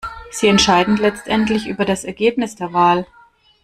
Sie entscheiden letztendlich über das Ergebnis der Wahl.